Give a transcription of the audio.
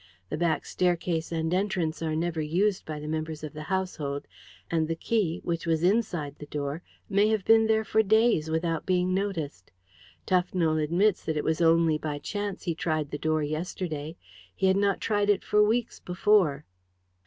The back staircase and entrance are never used by the members of the household, and the key, which was inside the door, may have been there for days without being noticed. Tufnell admits that it was only by chance he tried the door yesterday. He had not tried it for weeks before."